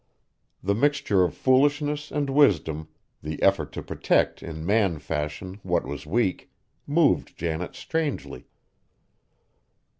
The mixture of foolishness and wisdom, the effort to protect in man fashion what was weak, moved Janet strangely.